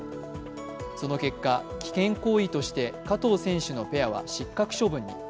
その結果、危険行為として加藤選手のペアは失格処分に。